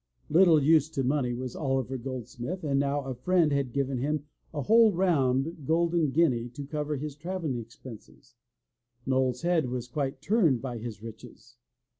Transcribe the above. Little used to money was Oliver Goldsmith, and now a friend had given him a whole round golden guinea to cover his traveling expenses. Noll's head was quite turned by his riches!